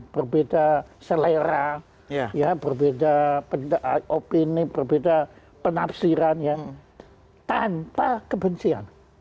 berbeda selera berbeda opini berbeda penafsiran tanpa kebencian